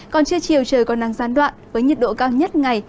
còn trưa chiều trời còn nắng gián đoạn với nhiệt độ cao nhất ngày